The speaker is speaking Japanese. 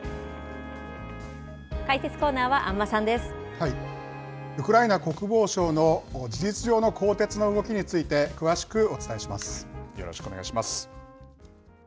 解説コーナーは、安間さんでウクライナ国防相の事実上の更迭の動きについて、詳しくお伝えします。